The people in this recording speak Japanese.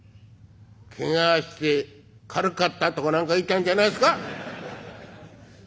「ケガして軽かったとかなんか言いたいんじゃないんですか？」。